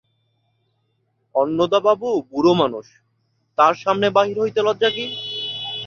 অন্নদাবাবু বুড়োমানুষ, তাঁর সামনে বাহির হইতে লজ্জা কী?